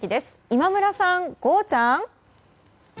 今村さん、ゴーちゃん。